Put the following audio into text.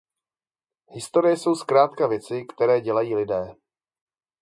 Historie jsou zkrátka věci, které dělají lidé.